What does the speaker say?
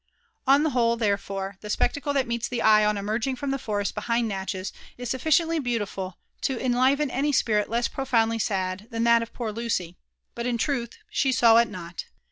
On the whole, therefore, the spectacle that meets (he eye on emerg ging, from the forest behind Natchez is sufficiently beautiful to en liven any spirit less profoundly sad than that of poor Lucy; but, in truth, she saw it not.